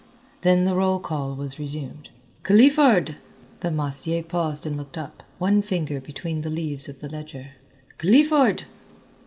Then the roll call was resumed. "Clifford!" The massier paused and looked up, one finger between the leaves of the ledger. "Clifford!"